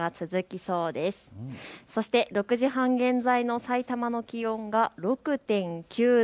そして６時半現在のさいたまの気温が６．９度。